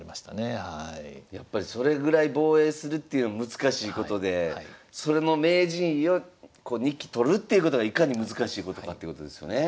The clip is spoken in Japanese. やっぱりそれぐらい防衛するっていうの難しいことでそれの名人位を２期取るっていうことがいかに難しいことかっていうことですよね。